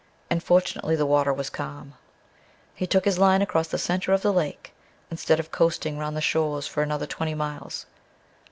And, fortunately, the water was calm; he took his line across the center of the lake instead of coasting round the shores for another twenty miles.